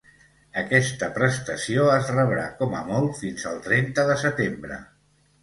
Aquesta prestació es rebrà, com a molt, fins al trenta de setembre.